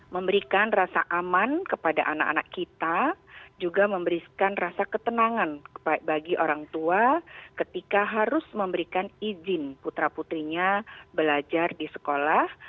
memberikan rasa aman kepada anak anak kita juga memberikan rasa ketenangan bagi orang tua ketika harus memberikan izin putra putrinya belajar di sekolah